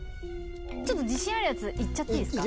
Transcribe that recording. ちょっと自信あるやついっちゃっていいっすか？